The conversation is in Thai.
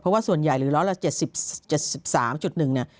เพราะว่าส่วนใหญ่หรือร้อยละ๗๓๑เนี่ย